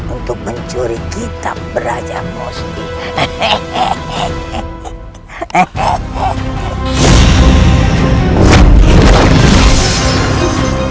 untuk mencuri kita braja musli